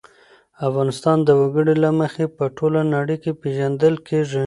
افغانستان د وګړي له مخې په ټوله نړۍ کې پېژندل کېږي.